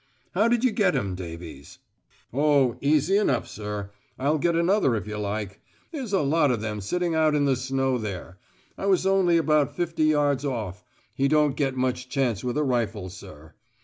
"How did you get him, Davies?" "Oh! easy enough, sir. I'll get another if you like. There's a lot of them sitting out in the snow there. I was only about fifty yards off. He don't get much chance with a rifle, sir."